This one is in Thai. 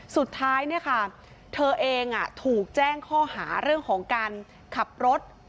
สุดท้ายเนี่ยค่ะเธอเองถูกแจ้งข้อหาเรื่องของการขับรถ